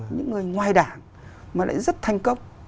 những người ngoài đảng mà lại rất thành công